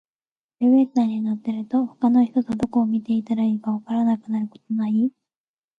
エレベーターに乗ってると、他の人とどこを見ていたらいいか分からなくなることない？